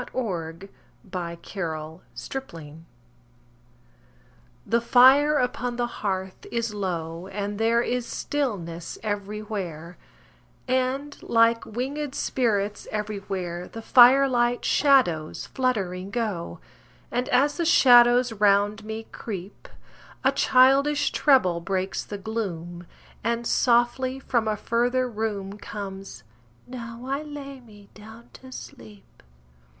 Eugene Field In the Firelight THE fire upon the hearth is low, And there is stillness everywhere, And, like wing'd spirits everywhere, The firelight shadows fluttering go. And as the shadows round me creep, A childish trebble breaks the gloom, And softly from a further room Comes: "Now I lay me down to sleep."